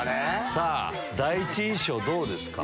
さぁ第一印象どうですか？